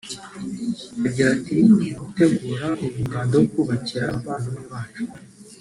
Agira ati “Mu gutegura uyu muganda wo kubakira aba bavandimwe bacu